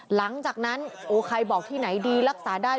หลังจากนั้นโอ้ใครบอกที่ไหนดีรักษาได้